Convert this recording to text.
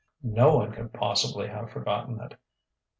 No one could possibly have forgotten it.